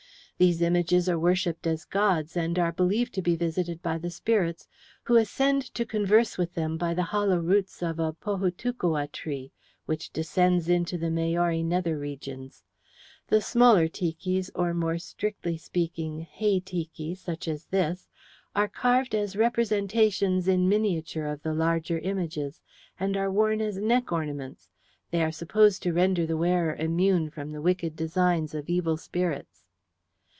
These images are worshipped as gods, and are believed to be visited by the spirits, who ascend to converse with them by the hollow roots of a pohutukawa tree, which descends into the Maori nether regions. The smaller tikis, or, more strictly speaking, hei tiki, such as this, are carved as representations in miniature of the larger images, and are worn as neck ornaments. They are supposed to render the wearer immune from the wicked designs of evil spirits."